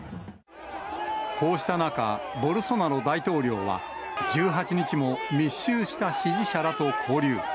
こうした中、ボルソナロ大統領は１８日も密集した支持者らと交流。